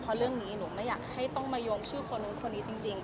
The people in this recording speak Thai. เพราะเรื่องนี้หนูไม่อยากให้ต้องมาโยงชื่อคนนู้นคนนี้จริง